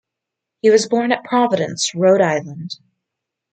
He was born at Providence, Rhode Island.